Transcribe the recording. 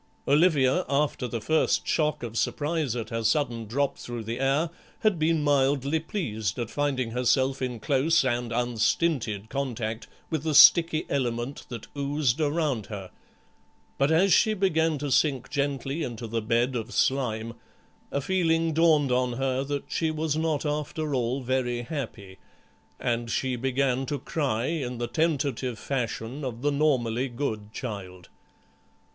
Olivia, after the first shock of surprise at her sudden drop through the air, had been mildly pleased at finding herself in close and unstinted contact with the sticky element that oozed around her, but as she began to sink gently into the bed of slime a feeling dawned on her that she was not after all very happy, and she began to cry in the tentative fashion of the normally good child.